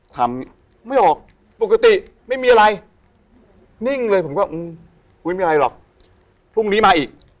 ทำไม่ออกปกติไม่มีอะไรนิ่งเลยผมก็อุ๊ยไม่มีอะไรหรอกพรุ่งนี้มาอีก